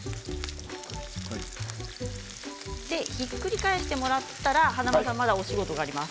ひっくり返してもらったら華丸さん、お仕事があります。